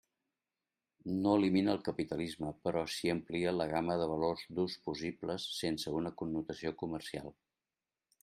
No elimina el capitalisme, però si amplia la gamma de valors d'ús possibles sense una connotació comercial.